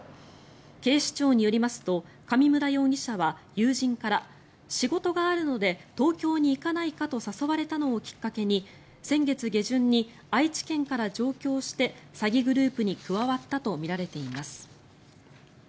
警視庁によりますと上村容疑者は友人から仕事があるので東京に行かないかと誘われたのをきっかけに先月下旬に愛知県から上京して詐欺グループに加わったとみられています。